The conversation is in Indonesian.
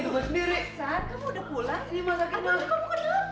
masar kamu udah pulang